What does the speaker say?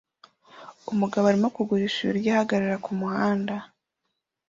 Umugabo arimo kugurisha ibiryo ahagarara kumuhanda